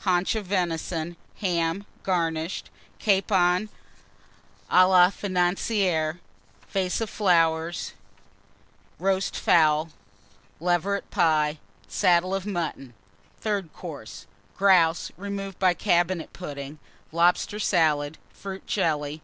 _ Haunch of Venison. Ham, garnished. Capon à la Vase of Roast Fowl. Financière Flowers. Leveret Pie. Saddle of Mutton. Third Course. Grouse, removed by Cabinet Pudding. Lobster Salad. Fruit Jelly.